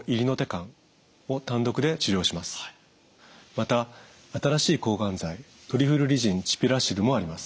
また新しい抗がん剤トリフルリジン・チピラシルもあります。